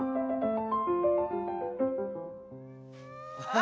あ！